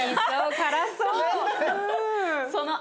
辛そう！